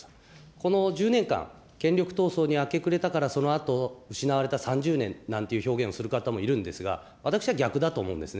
この１０年間、権力闘争に明け暮れたから、そのあと、失われた３０年なんて表現をする方もいるんですが、私は逆だと思うんですね。